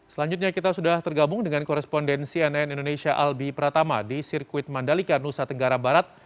selanjutnya kita sudah tergabung dengan korespondensi nn indonesia albi pratama di sirkuit mandalika nusa tenggara barat